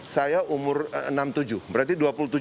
saya umur enam tujuh berarti